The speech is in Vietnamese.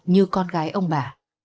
như con gái ông bà